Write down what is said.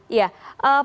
iya betul bu